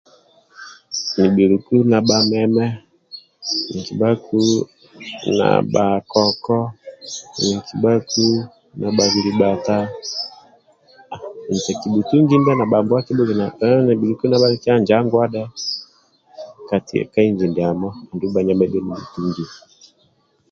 Nibhuliku na bameme ninki bhaku na koko ninki baku na bhikibata nte kibitungimbe na ba mbuwa kibulinai niliku nabani nkya njanguwa dhe ka inji ndiamo ondu banyama ndibheni butungiya